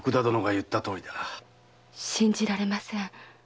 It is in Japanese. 信じられません。